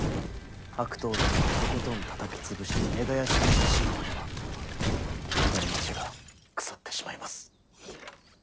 悪党どもはとことんたたき潰して根絶やしにしてしまわねば江戸の町が腐ってしまいます。